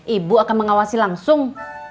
ibu akan mengawasi langsung